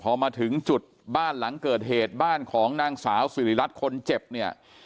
พอมาถึงจุดบ้านหลังเกิดเหตุบ้านของนางสาวสิริรัตน์คนเจ็บเนี่ย